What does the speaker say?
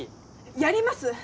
やります！